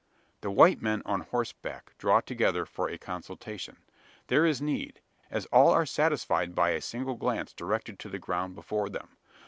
The white men on horseback draw together for a consultation. There is need: as all are satisfied by a single glance directed to the ground before them.